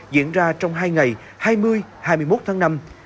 diễn ra trong hai ngày hai mươi hai mươi một tháng năm